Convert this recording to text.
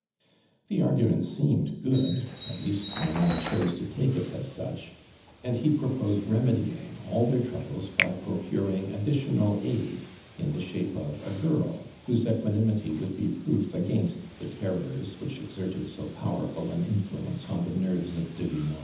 ^'hc argument seemed good, at least Armnnd chose to take it as such, ami lie j>ropOi. ed remedying all their troubles by jtrocuriiig additional aiil in the shape of H girl wlitMe eiiuiuiimity would be proof ;igainstthe terrors which exerte<lso powor 'ul an iuHuenco <>n the nerves of Delima.